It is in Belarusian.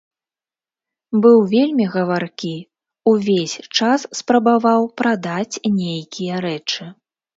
Быў вельмі гаваркі, увесь час спрабаваў прадаць нейкія рэчы.